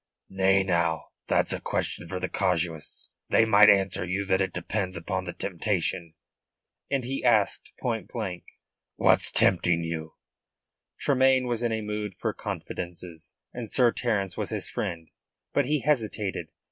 "Nay, now, that's a question for the casuists. They right answer you that it depends upon the temptation." And he asked point blank: "What's tempting you?" Tremayne was in a mood for confidences, and Sir Terence was his friend. But he hesitated.